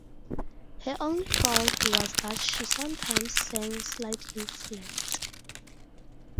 Her only fault was that she sometimes sang slightly flat.